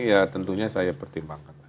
ya tentunya saya pertimbangkan